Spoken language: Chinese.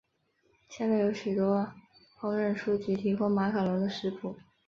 现在有许多烹饪书籍提供马卡龙的食谱。